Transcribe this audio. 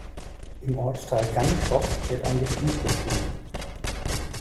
Im Ortsteil Ganschow wird ein Gestüt betrieben.